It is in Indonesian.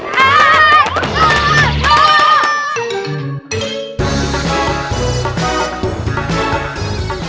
sampai jumpa di video selanjutnya